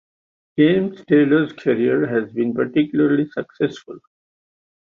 James Taylor's career has been particularly successful.